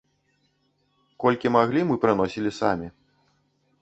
Колькі маглі, мы прыносілі самі.